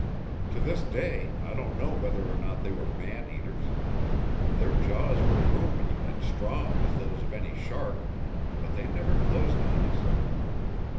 To this day I don't know whether or not they were man eaters. Their jaws were roomy and strong as those of any shark; but they never closed on us.